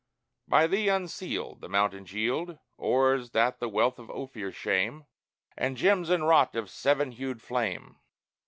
By Thee unsealed, The mountains yield Ores that the wealth of Ophir shame, And gems enwrought of seven hued flame.